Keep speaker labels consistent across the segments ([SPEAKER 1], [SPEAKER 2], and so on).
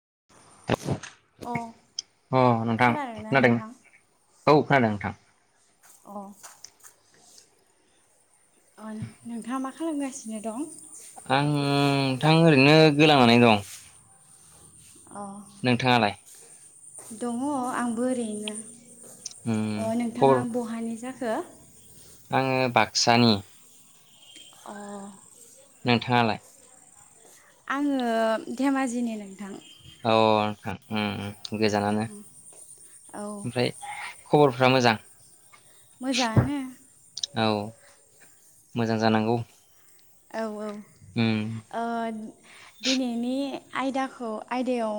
[SPEAKER 1] [unintelligible]
[SPEAKER 2] अ
[SPEAKER 1] अ नोंथां
[SPEAKER 2] खोनादोंना
[SPEAKER 1] खोनादों
[SPEAKER 2] नोंथां
[SPEAKER 1] औ खोनादों नोंथां
[SPEAKER 2] अ नोंथाङा मा खालामगासिनो दं
[SPEAKER 1] आं नोंथां ओरैनो गोलांनानै दं
[SPEAKER 2] अ
[SPEAKER 1] नोंथाङालाय
[SPEAKER 2] दङ आंबो ओरैनो
[SPEAKER 1] उम
[SPEAKER 2] अ
[SPEAKER 1] खबर
[SPEAKER 2] नोंथाङा बहानि जाख हो
[SPEAKER 1] आङो बाक्सानि
[SPEAKER 2] अ
[SPEAKER 1] नोंथाङालाय
[SPEAKER 2] आङो धेमाजिनि नोंथां
[SPEAKER 1] अ नोंथां‌ उम गोजानानो
[SPEAKER 2] औ
[SPEAKER 1] ओमफ्राय खबरफोरा मोजां
[SPEAKER 2] मोजाङानो
[SPEAKER 1] औ मोजां जानांगौ
[SPEAKER 2] औ औ
[SPEAKER 1] उम
[SPEAKER 2] ओ दिनैनि आयदाखौ आयदायाव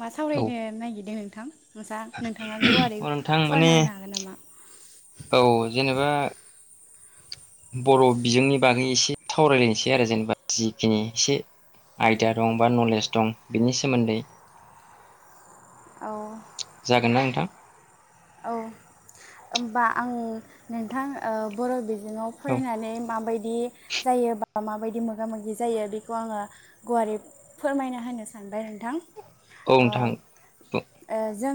[SPEAKER 2] मा
[SPEAKER 1] औ
[SPEAKER 2] सावरायनो नागिरदों थां
[SPEAKER 1] नोंथां माने
[SPEAKER 2] होनो हागोन नामा
[SPEAKER 1] औ जेनेबा बर' बिजोंनि बागै एसे सावरायलायनोसै आरो जेनेबा जिखिनि एसे आयदा दं बा नलेज दं बेनि सोमोन्दै
[SPEAKER 2] औ
[SPEAKER 1] जागोन ना नोंथां
[SPEAKER 2] औ होनबा आं नोंथां ओ बर' बि जोङाव
[SPEAKER 1] औ
[SPEAKER 2] फरायनानै माबायदि जायो माबायदि मोगा मोगि जायो बेखौ आङो गुवारै फोरमायना होनो सानबाय नोंथां
[SPEAKER 1] औ
[SPEAKER 2] ओ‌
[SPEAKER 1] नोंथां
[SPEAKER 2] ओ जों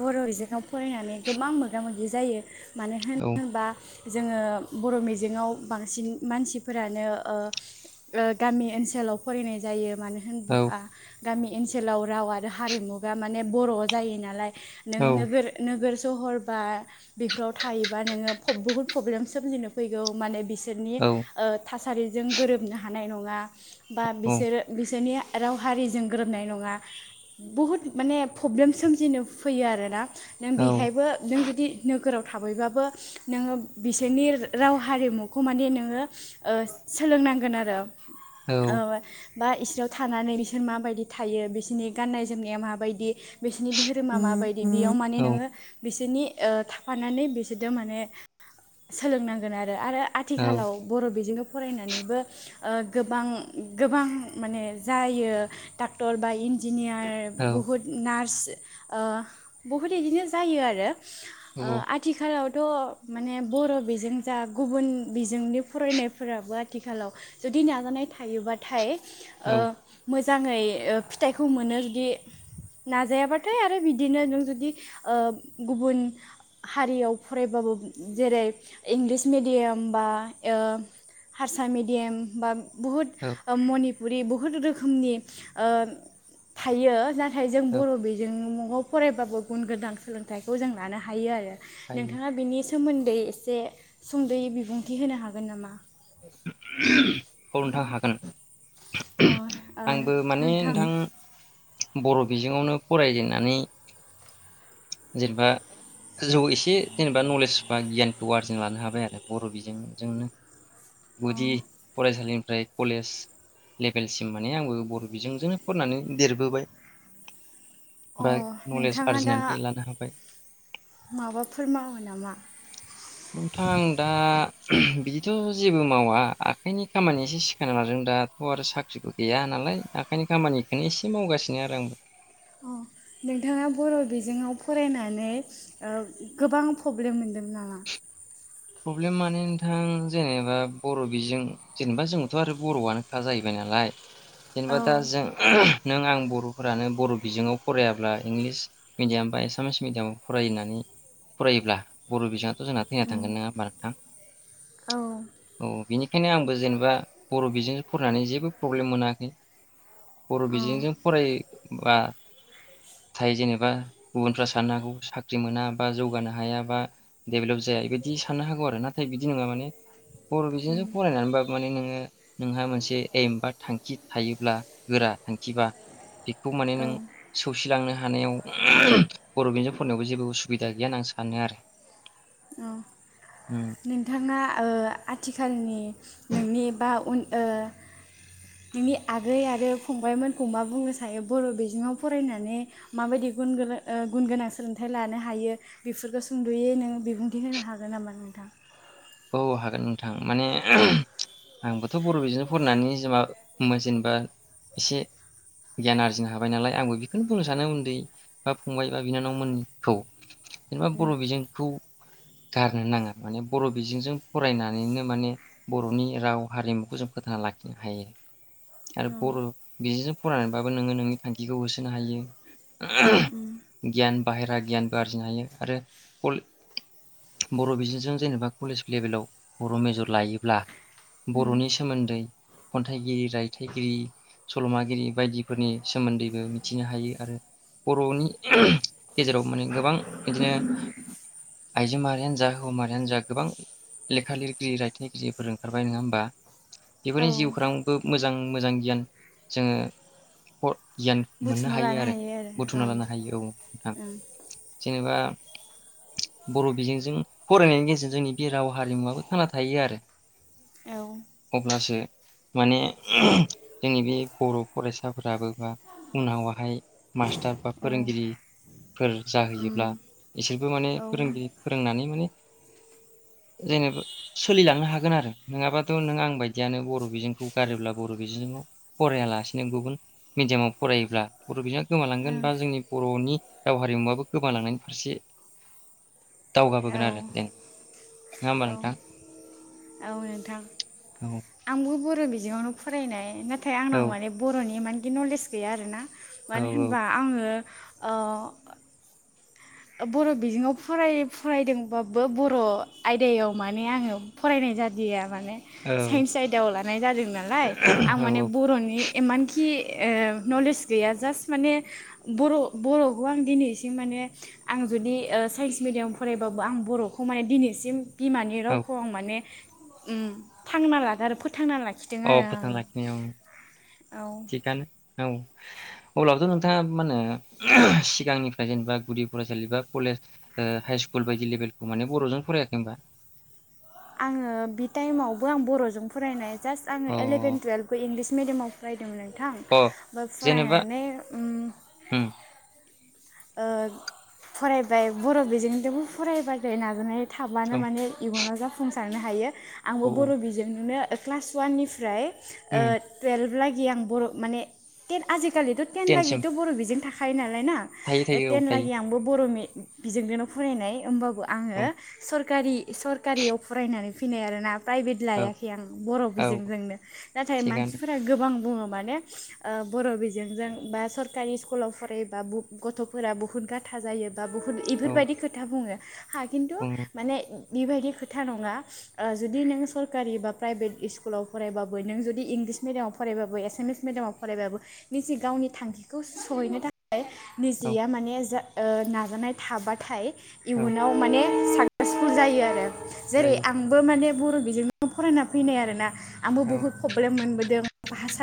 [SPEAKER 2] बर' बिजोङाव फरायनानै गोबां मोगा मोगि जायो मानो होन
[SPEAKER 1] औ
[SPEAKER 2] होनोबा जोङो बर' मिजिङाव बांसिन मानसिफोरानो ओ ओ गामि ओनसोलाव फरायनाय जायो मानो
[SPEAKER 1] औ
[SPEAKER 2] होनबा गामि ओनसोलाव राव आरो हारिमुगा माने बर' जायो नालाय नों
[SPEAKER 1] औ
[SPEAKER 2] नोगोर नोगोर सहर बा बेफोराव थायोबा नोङो फब बहुद पब्लेम सोमजिनो फैगौ माने बिस सोरनि ओ थास आरिजों गोरोबनो हानाय नङा बा
[SPEAKER 1] औ
[SPEAKER 2] बिसोरो बिसोरनि राव हारिजों गोरोबनाय नङा बहुद माने पब्लेम सोमजिनो फैयो आरोना नों बेहायबो नों जुदि नोगोराव थाबैबाबो नोङो बिसोरनि राव हारिमुखौ माने नोङो ओ सोलोंनांगोन आरो औ [unintelligible] बा इसोराव थानानै बिसोर माबायदि थायो बिसोरनि गाननाय जोमनाया माबायदि बिसोनि धोरोमा माबायदि बेयाव माने नों बिसोनि ओ थाफानानै बिसोरजों माने सोलोंनांगोन आ रो आरो
[SPEAKER 1] औ
[SPEAKER 2] आथिखालाव बर' बिजों फरायनानैबो ओ गोबां गोबां माने जायो डाक्टर बा इन जिनियार बहुद नार्स ओ बहुत इदिनो जायो आरो ओ
[SPEAKER 1] औ
[SPEAKER 2] आथिखालाव थ' माने बर' बिजों जा गुबुन बिजोंनि फरायनायफोराबो आथिखालाव जुदि नाजानाय थायोबाथाय ओ
[SPEAKER 1] औ
[SPEAKER 2] मोज जाङै फिथाइखौ मोनो जुदि नाजायालाथाय आरो बिदिनो नों जुदि ओ गुबुन हारियाव फरायबाबो जेरै इंलिस मिडियाम बा ओ हारसा मेडियाम बा बुहुद ओ मणी पुरि बुहुद रोखोमनि ओ थायो ना थाय जों बर' बिजों [unintelligible] न'आव फरायबाबो गुन गोदान सोलोंथाइखौ जों लानो हायो आरो
[SPEAKER 1] हायो
[SPEAKER 2] नोंथाङा बिनि सोमोन्दै एसे सुंद'यै बिबुंथि होनो हागोन नामा?
[SPEAKER 1] [unintelligible] औ नोंथां हागोन
[SPEAKER 2] अ
[SPEAKER 1] आंबो
[SPEAKER 2] ओ
[SPEAKER 1] माने नोंथां बर' बिजोंआवनो फरायजेननानै जेनेबा जौ एसे जेनेबा नलेज बा गियानखौ आर्जिना लानो हाबाय आरो बर' बिजोंजोंनो
[SPEAKER 2] अ
[SPEAKER 1] गुदि फरायसालि ओमफ्राय कलेज लेभेलसिम माने आंबो बर' बिजोंजोंनो फरायनानै देरबोबाय बा नलेज आर्जिनानै
[SPEAKER 2] माबाफोर मावो नामा?
[SPEAKER 1] नोंथां आं दा [unintelligible] बिदिथ' जेबो मावा आखाइनि खामानिसो सिखायना लादों दाथ' आरो साख्रिबो गैया नालाय आखाइनि खामानिखौनो एसे मावगासिनो आरो आंबो
[SPEAKER 2] अ नोंथाङा बर' बिजोङाव फरायनानै ओ गोबां प्रब्लेम मोनदों नामा?
[SPEAKER 1] प्रब्लेम माने नोंथां जेनेबा बर' बिजों जेनेबा जोंथ' आरो बर'आनोखा जाहैबाय नालाय
[SPEAKER 2] औ
[SPEAKER 1] जेनेबा दा जों [unintelligible] नों आं बर'फोरानो बर' बिजोङाव फरायाब्ला इंलिस मिडियाम बा एसामिस मिडियामाव फरायनानै फरायोब्ला बर' बिजोङा थ' जोंना थैना
[SPEAKER 2] अ
[SPEAKER 1] थांगोन ना। नों थां
[SPEAKER 2] औ
[SPEAKER 1] औ बिनिखायनो आंबो जेनेबा बर' बेजों फरायनानै जेबो प्रब्लेम मोनाखै। बर'
[SPEAKER 2] अ
[SPEAKER 1] बिजोंजों फरायबा थायो जेनेबा गुबुनफ्रा साननो हागौ साख्रि मोना बा जौगानो हाया बा डेभेलप जाया एबायदि साननो हागौ आरो नाथाय बिदि नोङा माने बर' बिजोंसो फरायनानैबा माने नोङो। नोंहा मोनसे एम बा थांखि थायोब्ला गोरा थांखिबा बेखौ माने
[SPEAKER 2] औ
[SPEAKER 1] नों सौसिलांनो ह हानायाव बर' बिन्जोंजों फरायनायावबो जेबो उसुबिदा गैया होनना आं सानो आरो
[SPEAKER 2] औ नोंथाङा ओ आथिखालनि नोंनि बा उन ओ नोंनि आगै आरो फंबायमोनखौ मा बुंनो सायो बर' बिजोङाव फरायनानै माबायदि गुन गुन गोनां सोलोंथाइ लानो हायो बेफोरखौ सुंद'यै नों दिन्थिहोनो हागोन नामा नोंथां?
[SPEAKER 1] औ हागोन नोंथां माने आंबोथ' बर' बिजोंनो फरायनानै जेनेबा जेनेबा एसे गियान आरजिनो हाबाय नालाय आंबो बेखौनो बुंनो सानो उन्दै बा फंबाय बा बिनानावमोनखौ जेनेबा बर' बिजोंखौ गारनो नाङा माने बर' बिजोंजों फरायनानैनो माने बर'नि राव हारिमुखौ जों फोथांना लाखिनो हायो आरो
[SPEAKER 2] ओं
[SPEAKER 1] बर' बिजोंजों फरायनानैबाबो नोङो नोंनि थांखिखौ होसोनो हायो
[SPEAKER 2] उम
[SPEAKER 1] गियान बाहेरा गियानबो आरजिनो हायो आरो बर' बिजोंजों जेनेबा कलेज लेभेलाव बर' मेजर लायोब्ला
[SPEAKER 2] उम
[SPEAKER 1] बर'नि सोमोन्दै खन्थाइगिरि रायथाइगिरि सल'मागिरि बायदिफोरनि सोमोन्दैबो मिथिनो हायो आरो बर'नि गेजेराव माने गोबां बिदिनो आइजो माहारियानो जा हौ माहायारियानो जा गोबां लेखा लिरगिरि रायथनिगिरिफोर ओंखारबाय नोङा होमबा
[SPEAKER 2] औ
[SPEAKER 1] बेफोरनि जिउखौरांबो मोजां मोजां गियान जोङो गियान मोननो
[SPEAKER 2] बुथुमना
[SPEAKER 1] हायो
[SPEAKER 2] लानो
[SPEAKER 1] आरो बुथुमना
[SPEAKER 2] ओं
[SPEAKER 1] लानो हायो औ नोंथां
[SPEAKER 2] ओं
[SPEAKER 1] जेनेबा बर' बिजोंजों फरायनायनि गेजेर जोंनि बे राव हारिमुवाबो थांना थायो आरो
[SPEAKER 2] औ
[SPEAKER 1] अब्लासो माने जोंनि बे बर' फरायसाफोराबो बा उनावाहाय मास टार बा
[SPEAKER 2] औ
[SPEAKER 1] फोरोंगिरि फोर जाहैयोब्ला
[SPEAKER 2] उम
[SPEAKER 1] इसोरबो माने
[SPEAKER 2] औ
[SPEAKER 1] फोरोंगिरि फोरोंनानै माने जेनेबा सोलिलांनो हागोन आरो नङाबाथ नों आं बायदियानो बर' बिजोंखौ गारोब्ला बर' बिजोंआव फरायालासेनो गुबुन मिडियामाव फरायोब्ला बर' बिजोङा गोमालांगोन बा जोंनि बर'नि राव हारिमुवाबो गोमालांनायनि फारसे
[SPEAKER 2] औ
[SPEAKER 1] दावगाबोगोन आरो जेनेबा नङा होमबा
[SPEAKER 2] औ
[SPEAKER 1] नोंथां
[SPEAKER 2] औ नोंथां
[SPEAKER 1] औ
[SPEAKER 2] आंबो बर' बिजोङावनो फरायनाय नाथाय
[SPEAKER 1] औ
[SPEAKER 2] आंनाव माने बर'नि मानि मानि नलेज गैया आरो ना।
[SPEAKER 1] औ
[SPEAKER 2] मानो होनबा आङो ओ बर' बिजोङाव फरायो फरायदोंबाबो बर' आयदायाव माने आङो फरायनाय जादिया माने
[SPEAKER 1] औ
[SPEAKER 2] साइन्स आयदायाव लानाय जादों नालाय आं माने
[SPEAKER 1] औ
[SPEAKER 2] बर'नि एमानखि ए नलेस गैया जास्ट माने बर' बर'खौ आं दिनैसिम माने आं जुदि ओ साइन्स मिडियाम फरायबाबो आं बर'खौ माने दिनैसिम बिमानि
[SPEAKER 1] औ
[SPEAKER 2] रावखौ आं माने उम थांना लागो आर फो
[SPEAKER 1] औ फोथांना लाखिदों औ
[SPEAKER 2] औ
[SPEAKER 1] थिगानो औ। अब्लाथ नोंथाङा मा होनो सिगांनिफ्राय जेनेबा गुदि फरायसालि बा कलेज ओ हाइ स्कुल बायदि लेभेलखौ माने बर'जों फरायाखै होनबा?
[SPEAKER 2] आङो बि टाइमावबो आं बर'जों फरायनाय जास आङो
[SPEAKER 1] अ
[SPEAKER 2] इलभेन तुवेलभखौ इंगलिस मिडिमाव फराय दोंमोन आं थां
[SPEAKER 1] अ
[SPEAKER 2] ओमफ्राय
[SPEAKER 1] जेनेबा
[SPEAKER 2] फुरायनानै उम
[SPEAKER 1] उम
[SPEAKER 2] ओ फरायबाय बर' बिजोंदोंबो फराबादो नाजानाय
[SPEAKER 1] औ
[SPEAKER 2] थाब्लानो माने इयुनाव जाफुं सारनो हायो। आंबो
[SPEAKER 1] औ
[SPEAKER 2] बर' बिजोंनोनो क्लास वान निफ्राय ओ
[SPEAKER 1] उम
[SPEAKER 2] तुवेलभ लाग गि आं बर' माने थेन आजि कालिथ
[SPEAKER 1] टेनसिम
[SPEAKER 2] टेनलागिथ' बर' बिजों था खायो नालाय ना
[SPEAKER 1] थायो
[SPEAKER 2] ओ
[SPEAKER 1] थायो औ
[SPEAKER 2] टेन
[SPEAKER 1] थायो
[SPEAKER 2] लागि आंबो बर' मि बिजोंनो फरायनाय ओमबा बो आङो सरकारि सरखारियाव फुरायनानै फिनो आरो ना। प्राइभेट
[SPEAKER 1] औ
[SPEAKER 2] लायाखै आं बर'
[SPEAKER 1] औ
[SPEAKER 2] बिजोंजोंनो नाथाय
[SPEAKER 1] थिगानो
[SPEAKER 2] मानसिफोरा गोबां बुङो माने ओ बर' बिजोंजों बा सरकारि स्कुलाव फरायोबा बु गथ'फोरा बुहुत गाथा जायो। बा बुहुत
[SPEAKER 1] औ
[SPEAKER 2] इफोरबायदि खोथा बुङो [inaudible] हा खिनथु
[SPEAKER 1] बुङो
[SPEAKER 2] माने बिबायदि खोथा नङा ओ जुदि नों सरकारि बा प्राइभेट इस्कुलाव फरायबाबो नों जुदि इंलिस मिडियामाव फरायबाबो एसामिस मिडियामाव फरायबाबो निजे गावनि थांखिखौ सहैनो थाखाय
[SPEAKER 1] औ
[SPEAKER 2] निजिया माने जा ओ नाजानाय थाबाथाय
[SPEAKER 1] औ
[SPEAKER 2] इयुनाव माने साक्सेसफुल जायो आरो जेरै
[SPEAKER 1] जायो
[SPEAKER 2] आंबो माने बर' बिजों फरायना फैनाय आरोना आंबो
[SPEAKER 1] औ
[SPEAKER 2] बुहुद पब्लेम मोनबोदों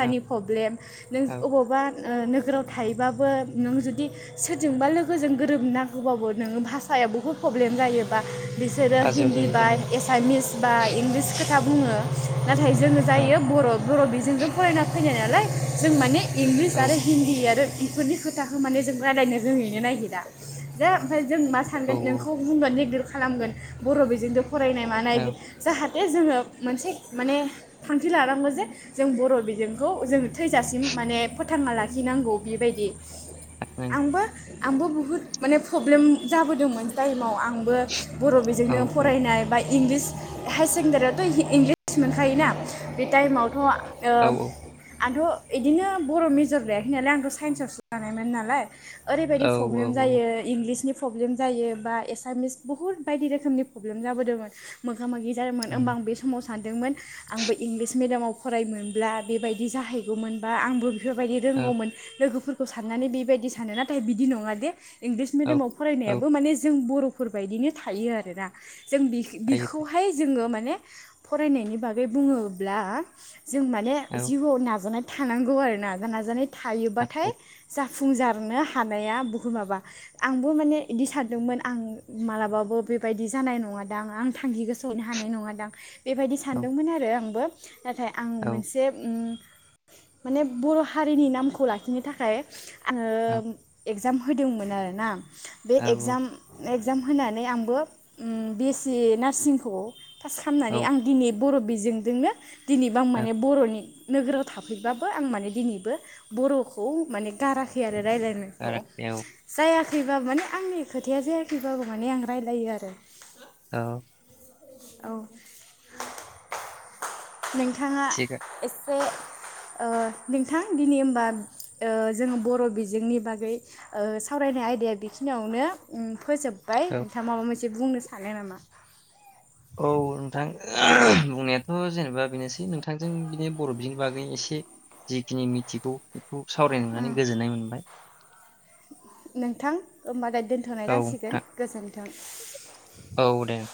[SPEAKER 1] औ
[SPEAKER 2] पब्लेम नों
[SPEAKER 1] औ
[SPEAKER 2] अबावबा ओ नोगोराव थायोबाबो नों जुदि सोरजोंबा लोगोजों गोरोबनांगौबाबो नोङो भाषाया बुहुद पब्लेम जायोबा बिसोरो
[SPEAKER 1] फाजियाव
[SPEAKER 2] हिन्दी
[SPEAKER 1] जायो
[SPEAKER 2] बा
[SPEAKER 1] जानाया
[SPEAKER 2] एसामिस बा इंलिस सा बुङो नाथाय जोङो
[SPEAKER 1] औ
[SPEAKER 2] जायो बरफ बर' बिजोंजों फरायना फैनाय नालाय जों माने इंलिस
[SPEAKER 1] औ
[SPEAKER 2] आरो हिन्दी आरो बिफोरनि खोथा माने जों रालायनो रोङैनो नागिरा जा ओमफाय जों मा
[SPEAKER 1] औ
[SPEAKER 2] सानगोन नोंखौ [unintelligible] खालामगोन बर' बिजोंदो फरायनाय मानाय
[SPEAKER 1] औ
[SPEAKER 2] इदि
[SPEAKER 1] नों
[SPEAKER 2] जाहाथे बे जोङो मोनसे माने थांखि लानांगौ जे जों बर' बिजोंखौ जोङो थैजासिम माने फोथांना लाखिनांगौ बेबायदि आंबो आंबो बुहुत माने प्रब्लेम जाबोदोंमोन टाइमाव आंबो बर'
[SPEAKER 1] औ
[SPEAKER 2] बिजोंनो फरायनाय बा इंलिस हायार सेकेणडारियावथ' इंलिस मोनखायोना बे टाइमावथ' ओ
[SPEAKER 1] औ
[SPEAKER 2] आंथ' इदिनो बर' मेजर लायाखै नालाय आंथ' साइन्सआवसो लानायमोन ना लाय ओरैबायदि
[SPEAKER 1] औ
[SPEAKER 2] प्रब्लेम
[SPEAKER 1] औ औ
[SPEAKER 2] जायो इंलिसनि प्रब्लेम जायो बा एसामिस बहुत बायदि रोखोमनि प्रब्लेम जाबोदोंमोन मोगा मोगि जादोंमोन होमबा
[SPEAKER 1] उम
[SPEAKER 2] आं बे समाव सानदोंमोन आंबो इंलिस मिडियामाव फरायमोनब्ला बेबायदि जाहैगौमोनबा आंबो बेफोरबायदि
[SPEAKER 1] औ
[SPEAKER 2] रोंगौमोन लोगोफोर खौ साननानै बेबाय दि सानो नाथाय बिदि नङा दे इंलिस
[SPEAKER 1] औ
[SPEAKER 2] मिडियामाव
[SPEAKER 1] औ
[SPEAKER 2] फरायनायाबो माने जों बर' फोरफोरबायदिनो थायो आरोना जों बि
[SPEAKER 1] थायो थायो
[SPEAKER 2] बिखौहाय जोङो मा ने फरायनायनि बागै बुङोब्ला जों माने
[SPEAKER 1] औ
[SPEAKER 2] जिउआव नाजानाय थानांगौ आरो ना नाजानाय
[SPEAKER 1] औ
[SPEAKER 2] थायोबाथाय
[SPEAKER 1] औ
[SPEAKER 2] जा फुंजारनो हानाया बुहु माबा आंबो माने बिदि सारदोंमोन आं मालाबाबो बेबायदि जानाय नङादां आं थांखि गोसोहैनो हानाय नङादां बेबायदि
[SPEAKER 1] औ
[SPEAKER 2] सानदोंमोन आरो आंबो। नाथाय आं मोनसे उम माने बर' हारिनि नामखौ लाखिनो थाखाय आङो
[SPEAKER 1] औ
[SPEAKER 2] एग जाम होदोंमोन आरोना आं। बे
[SPEAKER 1] औ
[SPEAKER 2] एगजाम एगजाम होनानै आंबो उम बि एस सि नार्सिंखौ पास
[SPEAKER 1] औ
[SPEAKER 2] खालामनानै आं दिनै बर' बिजोंदोंनो दिनैबा आं माने बर'नि नोगोराव थाफैबाबो आं माने दिनैबो बर'खौ माने गारा खै आरो रायज्लायनायखौ
[SPEAKER 1] गाराखै औ
[SPEAKER 2] जाया फैबाबो माने आंनि खोथाया जायाखैबाबो माने आं रायजलायो आरो।
[SPEAKER 1] औ
[SPEAKER 2] औ नों थाङा
[SPEAKER 1] थिगा
[SPEAKER 2] एसे ओ नोंथां दिनै होमबा ओ जोङो बर' बिजोंनि बागै ओ सावरायनाय आयदाया बेखिनियावनो उम फोजोब बाय
[SPEAKER 1] औ
[SPEAKER 2] नोंथांङा माबा मोन से बुंनो सानो नामा?
[SPEAKER 1] औ नोंथां बुंनायाथ' जेनेबा बेनोसै नोंथांजों बिदि बर' बिनि बागै एसे जिखिनि मिथिगौ बे। खौ सावरायनो
[SPEAKER 2] ओ
[SPEAKER 1] मोननानै गोजोननाय मोनबाय।
[SPEAKER 2] नोंथां [unintelligible] दोनथ'नाय
[SPEAKER 1] औ
[SPEAKER 2] जासिगोन
[SPEAKER 1] नोंथां
[SPEAKER 2] गोजोन्थों। [unintelligible]
[SPEAKER 1] औ दे नोंथां